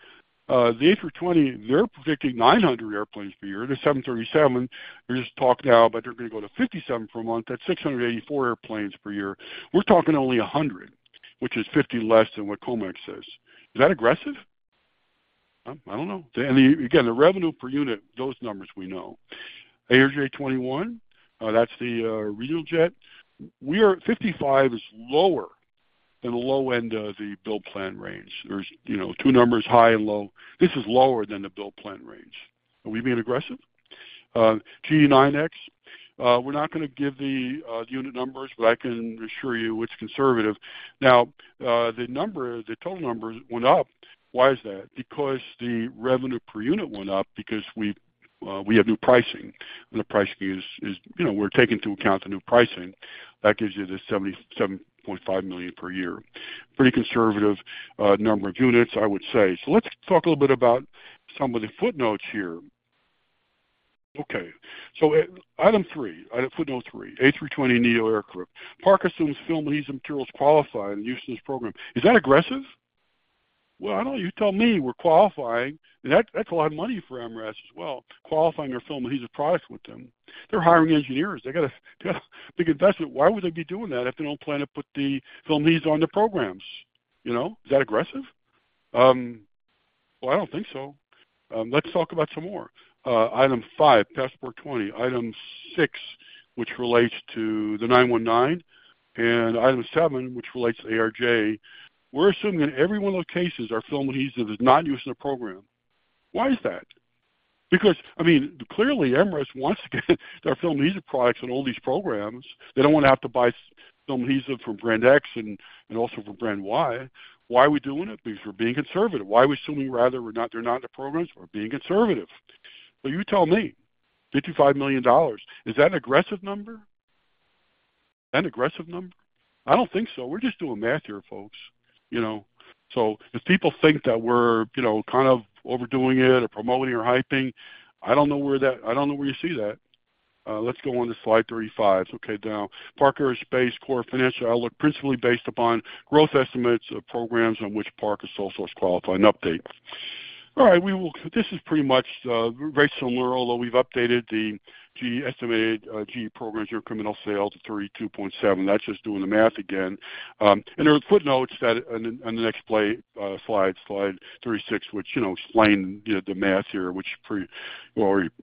The A320, they're predicting 900 airplanes per year. The 737, we just talked how, but they're going to go to 57 per month. That's 684 airplanes per year. We're talking only 100, which is 50 less than what COMAC says. Is that aggressive? I don't know. And the, again, the revenue per unit, those numbers we know. ARJ21, that's the regional jet. We are, 55 is lower than the low end of the build plan range. There's, you know, two numbers, high and low. This is lower than the build plan range. Are we being aggressive? GE9X, we're not going to give the unit numbers, but I can assure you it's conservative. Now, the number, the total numbers went up. Why is that? Because the revenue per unit went up, because we, we have new pricing. The pricing is, is, you know, we're taking into account the new pricing. That gives you the $77.5 million per year. Pretty conservative number of units, I would say. Let's talk a little bit about some of the footnotes here. Okay, item three, item footnote three, A320neo aircraft. Parker assumes film adhesive materials qualify in the use of this program. Is that aggressive? Well, I don't know. You tell me. We're qualifying, and that's a lot of money for MRAS as well, qualifying their film adhesive products with them. They're hiring engineers. They got a big investment. Why would they be doing that if they don't plan to put the film adhesive on the programs, you know? Is that aggressive? Well, I don't think so. Let's talk about some more. Item five, Passport 20, item six, which relates to the 919, and item seven, which relates to ARJ. We're assuming in every one of those cases, our film adhesive is not used in the program. Why is that? Because, I mean, clearly, MRAS wants to get their film adhesive products on all these programs. They don't want to have to buy film adhesive from brand X and, and also from brand Y. Why are we doing it? Because we're being conservative. Why are we assuming, rather, we're not-- they're not in the programs? We're being conservative. So you tell me, $55 million, is that an aggressive number? Is that an aggressive number? I don't think so. We're just doing math here, folks, you know. So if people think that we're, you know, kind of overdoing it or promoting or hyping, I don't know where that -- I don't know where you see that. Let's go on to slide 35. Okay, now, Park Aerospace core financial outlook, principally based upon growth estimates of programs on which Park is sole source qualified and updates. All right, we will—this is pretty much, very similar, although we've updated the GE estimated, GE programs, incremental sales to $32.7 million. That's just doing the math again. There are footnotes that on the next slide, slide 36, which, you know, explain the math here, which you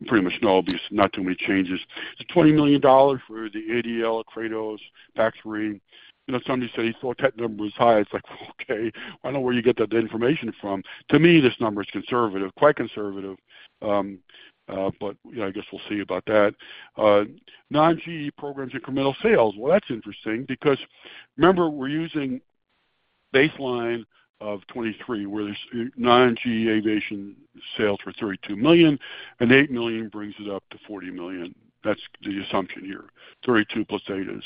pretty much know, there's not too many changes. The $20 million for the ADL, Kratos, Maxar. You know, somebody said he thought that number was high. It's like, okay, I don't know where you get that information from. To me, this number is conservative, quite conservative. You know, I guess we'll see about that. Non-GE programs, incremental sales. Well, that's interesting because remember, we're using baseline of 2023, where there's non-GE Aviation sales for $32 million, and $8 million brings it up to $40 million. That's the assumption here. Thirty-two plus eight is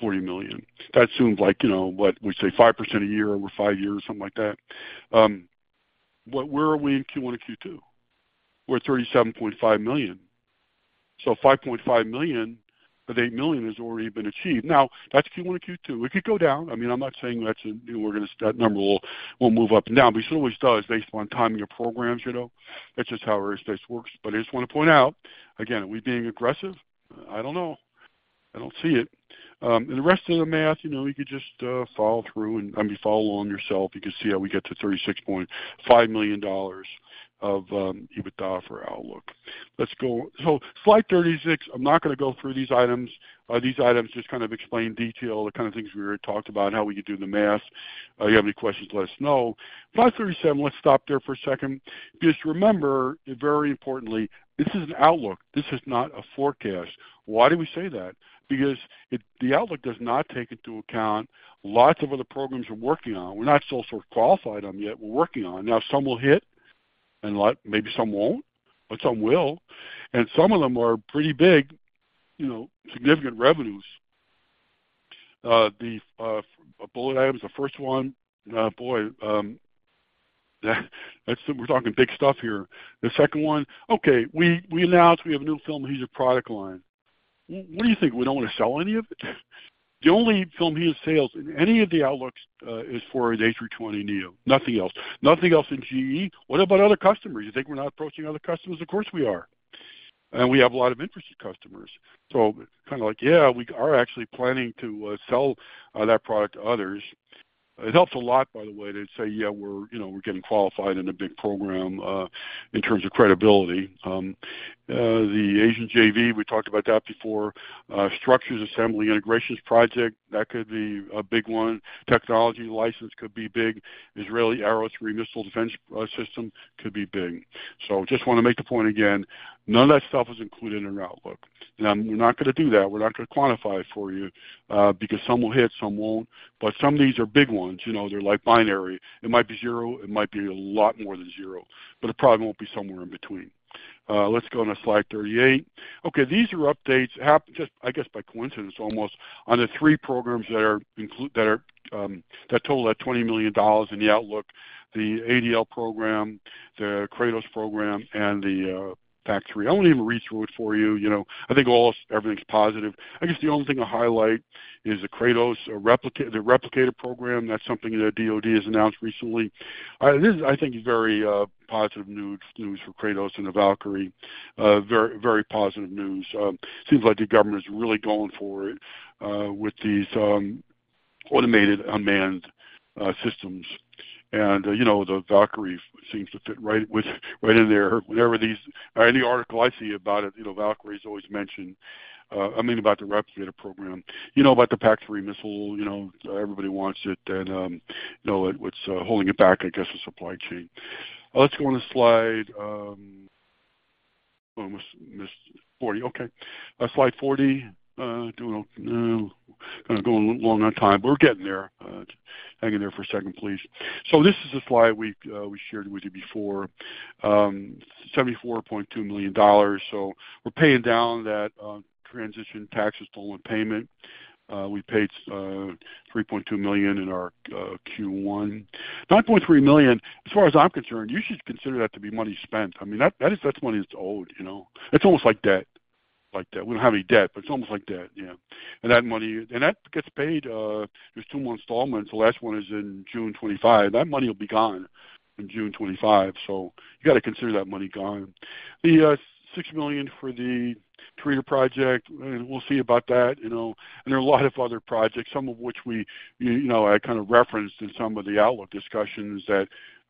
$40 million. That seems like, you know what? We say 5% a year over five years, something like that. But where are we in Q1 and Q2? We're at $37.5 million. So $5.5 million of the $8 million has already been achieved. Now, that's Q1 and Q2. It could go down. I mean, I'm not saying that. That number will move up and down, because it always does based on timing of programs, you know? That's just how aerospace works. But I just want to point out, again, are we being aggressive? I don't know. I don't see it. And the rest of the math, you know, you could just, you know, follow through, and, I mean, follow along yourself. You can see how we get to $36.5 million of EBITDA for outlook. Let's go... Slide 36. I'm not going to go through these items. These items just kind of explain detail, the kind of things we already talked about, how we could do the math. You have any questions, let us know. Slide 37, let's stop there for a second. Just remember, very importantly, this is an outlook. This is not a forecast. Why do we say that? Because it, the outlook does not take into account lots of other programs we're working on. We're not sole source qualified on yet. We're working on. Now, some will hit, a lot, maybe some won't, but some will, and some of them are pretty big, you know, significant revenues. The bullet items, the first one, boy, that's, we're talking big stuff here. The second one, okay, we announced we have a new film adhesive product line. What do you think, we don't want to sell any of it? The only film adhesive sales in any of the outlooks is for the A320neo, nothing else. Nothing else in GE. What about other customers? You think we're not approaching other customers? Of course, we are. And we have a lot of interested customers. So kind of like, yeah, we are actually planning to sell that product to others.... It helps a lot, by the way, to say, yeah, we're, you know, we're getting qualified in a big program, in terms of credibility. The Asian JV, we talked about that before. Structures, assembly, integrations project, that could be a big one. Technology license could be big. Israeli Arrow 3 missile defense system could be big. So just want to make the point again, none of that stuff is included in our outlook. And I'm—we're not going to do that. We're not going to quantify it for you, because some will hit, some won't. But some of these are big ones, you know, they're like binary. It might be zero, it might be a lot more than zero, but it probably won't be somewhere in between. Let's go on to slide 38. Okay, these are updates just, I guess, by coincidence, almost on the three programs that are included that total $20 million in the outlook, the ADL program, the Kratos program, and the PAC-3. I won't even read through it for you. You know, I think all, everything's positive. I guess the only thing to highlight is the Kratos Replicator, the Replicator program. That's something that DoD has announced recently. This, I think, is very positive news, news for Kratos and the Valkyrie. Very, very positive news. Seems like the government is really going for it with these automated unmanned systems. And, you know, the Valkyrie seems to fit right with, right in there. Wherever these, any article I see about it, you know, Valkyrie is always mentioned, I mean, about the Replicator program, you know about the PAC-3 missile. You know, everybody wants it, and, you know, what's holding it back, I guess, is supply chain. Let's go on to slide, almost missed 40. Okay, slide 40. Doing, kind of going long on time, but we're getting there. Hang in there for a second, please. So this is a slide we've, we shared with you before, $74.2 million. So we're paying down that, transition taxes, full in payment. We paid, $3.2 million in our, Q1. $9.3 million, as far as I'm concerned, you should consider that to be money spent. I mean, that, that is, that's money that's owed, you know. It's almost like debt. Like debt. We don't have any debt, but it's almost like debt, yeah. And that money, and that gets paid, there's two more installments. The last one is in June 2025. That money will be gone in June 2025, so you got to consider that money gone. The $6 million for the Korea project, and we'll see about that, you know, and there are a lot of other projects, some of which we, you know, I kind of referenced in some of the outlook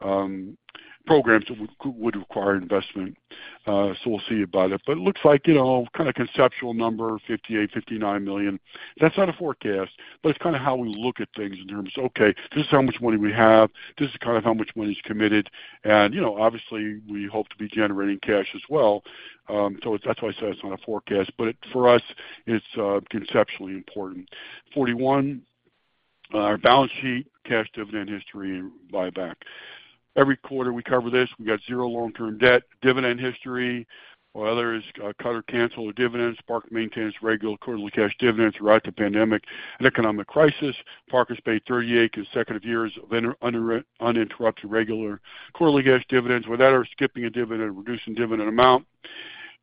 discussions, that programs would require investment, so we'll see about it. But it looks like, you know, kind of conceptual number, $58-$59 million. That's not a forecast, but it's kind of how we look at things in terms of, okay, this is how much money we have, this is kind of how much money is committed. You know, obviously, we hope to be generating cash as well. So that's why I said it's not a forecast, but for us, it's conceptually important. 41, our balance sheet, cash dividend history, and buyback. Every quarter, we cover this. We've got zero long-term debt, dividend history, whether it's cut or cancel a dividend, Park maintains regular quarterly cash dividends throughout the pandemic and economic crisis. Park has paid 38 consecutive years of uninterrupted, regular quarterly cash dividends without ever skipping a dividend, reducing dividend amount.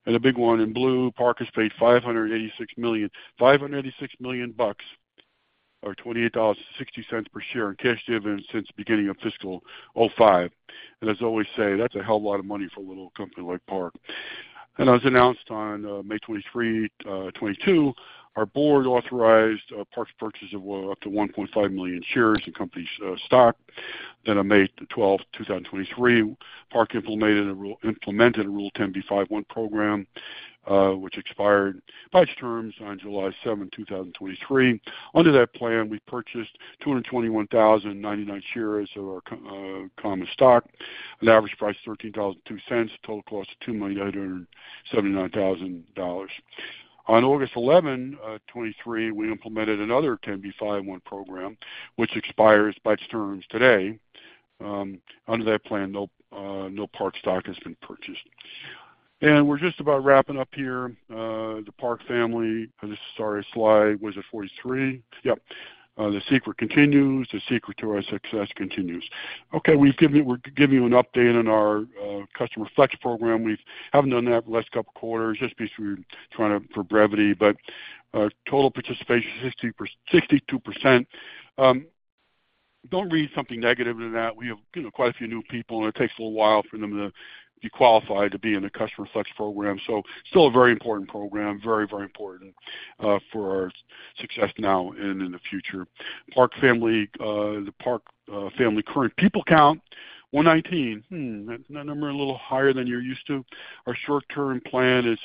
A big one in blue, Park has paid $586 million, $586 million bucks or $28.60 per share in cash dividends since beginning of FY 2005. As I always say, that's a hell lot of money for a little company like Park. As announced on May 23, 2022, our board authorized Park's purchase of up to 1.5 million shares in the company's stock. Then on May 12, 2023, Park implemented a Rule 10b5-1 program, which expired by its terms on July 7, 2023. Under that plan, we purchased 221,099 shares of our common stock, an average price of $13.02, total cost of $2,879,000. On August 11, 2023, we implemented another 10b5-1 program, which expires by its terms today. Under that plan, no Park stock has been purchased. And we're just about wrapping up here. The Park family. This, sorry, slide. Was it 43? Yep. The secret continues. The secret to our success continues. Okay, we've given you, we're giving you an update on our Customer Flex program. We haven't done that for the last couple of quarters, just because we're trying to, for brevity, but our total participation is 62%. Don't read something negative into that. We have, you know, quite a few new people, and it takes a little while for them to be qualified to be in the customer flex program. So still a very important program. Very, very important for our success now and in the future. Park family, the Park family, current people count, 119. Isn't that number a little higher than you're used to? Our short-term plan is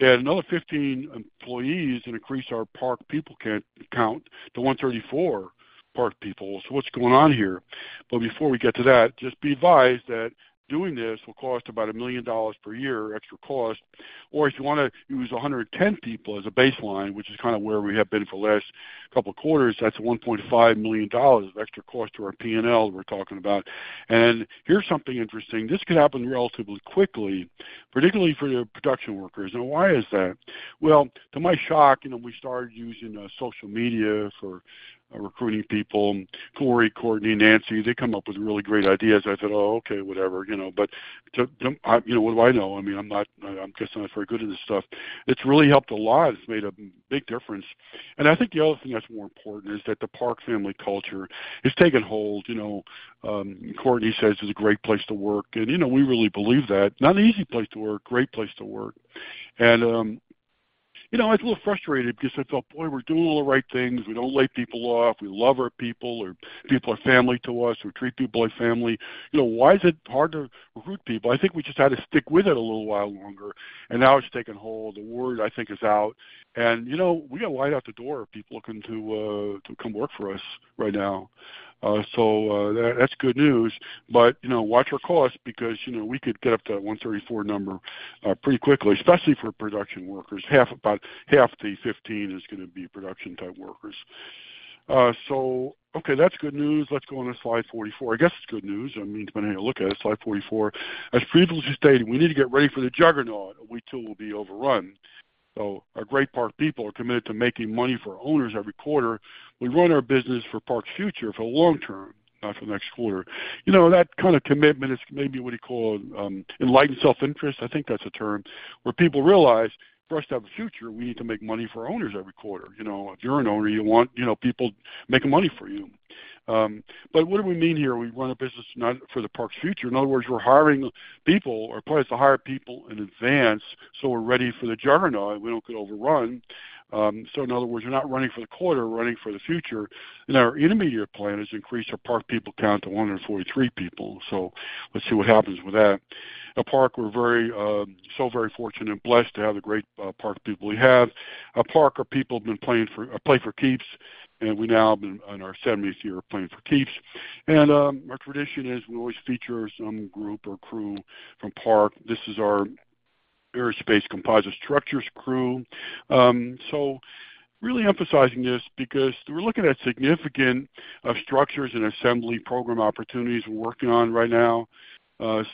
to add another 15 employees and increase our Park people count to 134 Park people. What's going on here? Before we get to that, just be advised that doing this will cost about $1 million per year, extra cost. If you want to use 110 people as a baseline, which is kind of where we have been for the last couple of quarters, that's $1.5 million of extra cost to our P&L we're talking about. Here's something interesting. This could happen relatively quickly, particularly for the production workers. Why is that? Well, to my shock, you know, we started using social media for recruiting people. Corey, Courtney, Nancy, they come up with really great ideas. I said: "Oh, okay, whatever," you know, but to, you know, what do I know? I mean, I'm not, I'm just not very good at this stuff. It's really helped a lot. It's made a big difference. I think the other thing that's more important is that the Park family culture has taken hold. You know, Courtney says it's a great place to work, and you know, we really believe that. Not an easy place to work, great place to work. You know, I was a little frustrated because I thought, boy, we're doing all the right things. We don't lay people off. We love our people, our people are family to us. We treat people like family. You know, why is it hard to recruit people? I think we just had to stick with it a little while longer, and now it's taking hold. The word, I think, is out. You know, we got right out the door of people looking to come work for us right now. That's good news. You know, watch our costs because, you know, we could get up to that 134 number pretty quickly, especially for production workers. Half, about half the 15 is going to be production type workers. Okay, that's good news. Let's go on to slide 44. I guess it's good news. I mean, depending on how you look at it. Slide 44. As previously stated, we need to get ready for the juggernaut, or we too will be overrun. Great Park people are committed to making money for our owners every quarter. We run our business for Park's future, for the long term, not for the next quarter. You know, that kind of commitment is maybe what you call, you know, enlightened self-interest. I think that's a term where people realize for us to have a future, we need to make money for our owners every quarter. You know, if you're an owner, you want, you know, people making money for you. But what do we mean here? We run a business not for the Park's future. In other words, we're hiring people or plan to hire people in advance, so we're ready for the juggernaut, and we don't get overrun. So in other words, we're not running for the quarter, we're running for the future. And our intermediate plan is to increase our Park people count to 143 people. So let's see what happens with that. At Park, we're very, so very fortunate and blessed to have the great Park people we have. At Park, our people have been playing for keeps, and we now have been on our seventieth year of playing for keeps. And our tradition is we always feature some group or crew from Park. This is our aerospace composite structures crew. So really emphasizing this because we're looking at significant structures and assembly program opportunities we're working on right now.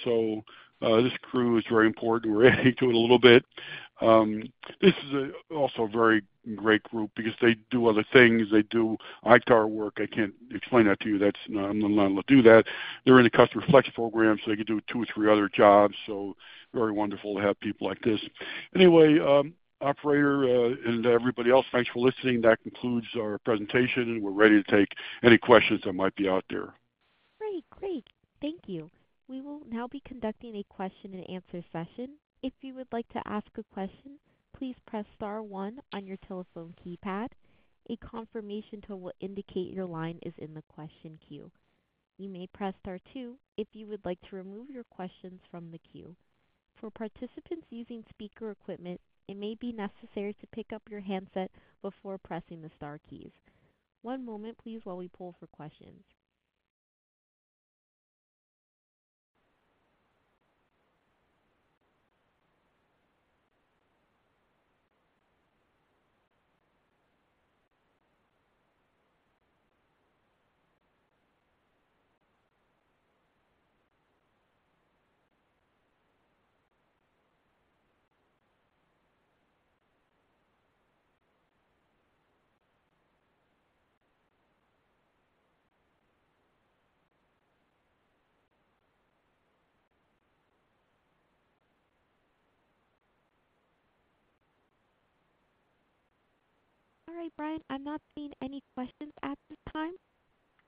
So this crew is very important. We're into it a little bit. This is also a very great group because they do other things. They do ICTR work. I can't explain that to you. That's not, I'm not allowed to do that. They're in a customer flex program, so they can do two or three other jobs. So very wonderful to have people like this. Anyway, operator, and everybody else, thanks for listening. That concludes our presentation, and we're ready to take any questions that might be out there. Great, great. Thank you. We will now be conducting a question and answer session. If you would like to ask a question, please press star one on your telephone keypad. A confirmation tone will indicate your line is in the question queue. You may press star two if you would like to remove your questions from the queue. For participants using speaker equipment, it may be necessary to pick up your handset before pressing the star keys. One moment, please, while we pull for questions. All right, Brian, I'm not seeing any questions at this time.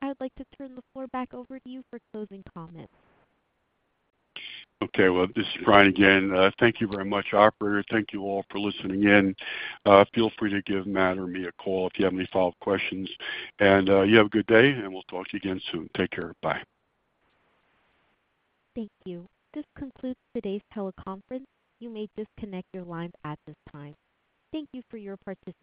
I would like to turn the floor back over to you for closing comments. Okay, well, this is Brian again. Thank you very much, operator. Thank you all for listening in. Feel free to give Matt or me a call if you have any follow-up questions, and you have a good day, and we'll talk to you again soon. Take care. Bye. Thank you. This concludes today's teleconference. You may disconnect your lines at this time. Thank you for your participation.